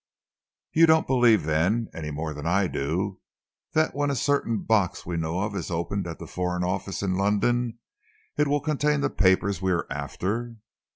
"You don't believe, then, any more than I do, that when a certain box we know of is opened at the Foreign Office in London, it will contain the papers we are after?"